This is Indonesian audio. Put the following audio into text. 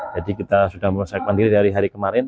jadi kita sudah mempersiapkan diri dari hari kemarin